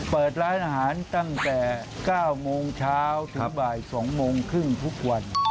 เปิดร้านอาหารตั้งแต่๙โมงเช้าถึงบ่าย๒โมงครึ่งทุกวัน